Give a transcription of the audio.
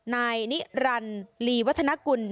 นายนิรันดิ์ลีวัฒนกุล